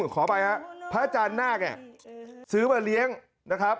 ขอไปนะฮะพระอาจารย์นาคซื้อมาเลี้ยงนะครับ